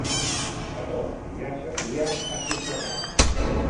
Però ja s'havia assossegat.